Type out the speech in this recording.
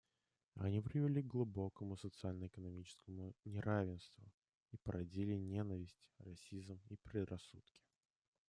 Они привели с глубокому социально-экономическому неравенству и породили ненависть, расизм и предрассудки.